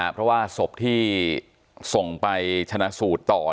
เพราะว่าศพที่ส่งไปชนะสูตรต่อ